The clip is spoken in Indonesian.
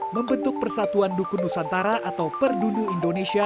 membentuk persatuan dukun nusantara atau perdunu indonesia